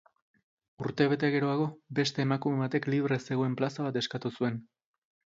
Urtebete geroago, beste emakume batek libre zegoen plaza bat eskatu zuen.